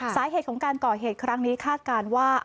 สาเหตุของการก่อเหตุครั้งนี้คาดการณ์ว่า